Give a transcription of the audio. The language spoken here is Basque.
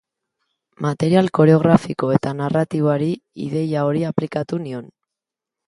Material koreografiko eta narratiboari ideia hori aplikatu nion.